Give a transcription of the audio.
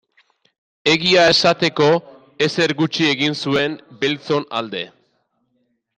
Egia esateko, ezer gutxi egin zuen beltzon alde.